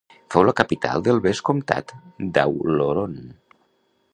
Fou la capital del Vescomtat d'Auloron.